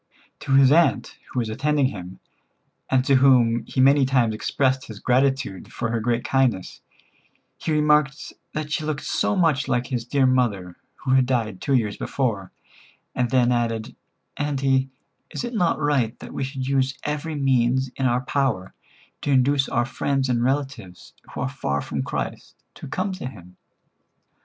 To his aunt, who was attending him, and to whom he many times expressed his gratitude for her great kindness, he remarked that she looked so much like his dear mother, who had died two years before, and then added: "Auntie, is it not right that we should use every means in our power to induce our friends and relatives who are far from Christ, to come to Him?"